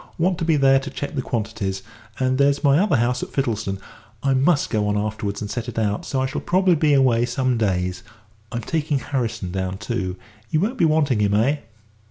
Want to be there to check the quantities, and there's my other house at Fittlesdon. I must go on afterwards and set it out, so I shall probably be away some days. I'm taking Harrison down, too. You won't be wanting him, eh?"